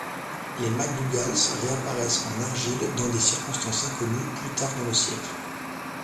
Les MacDougalls réapparaissent en Argyll dans des circonstances inconnues plus tard dans le siècle.